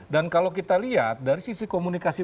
dan kalau kita lihat dari sisi komunikasi